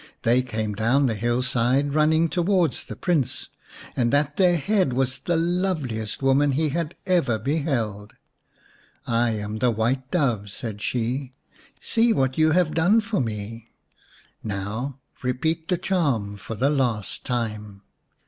They came down the hillside running towards the Prince, and at their head was the loveliest woman he had ever beheld. " I am the White Dove," said she. " See what you have done for me ! Now repeat the charm for the last time."